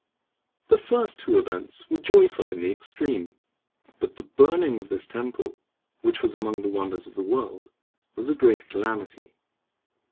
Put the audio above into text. The first two events were joyful in the extreme; but the burning of this temple, which was among the wonders of the world, was a great calamity.